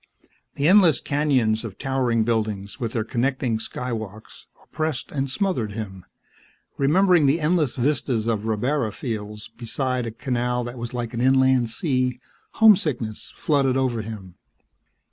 The endless canyons of towering buildings, with their connecting Skywalks, oppressed and smothered him. Remembering the endless vistas of rabbara fields beside a canal that was like an inland sea, homesickness flooded over him.